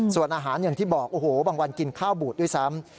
ส่วนอาหารอย่างที่บอกโอ้โหบางวันกินข้าวบูดด้วยซ้ำ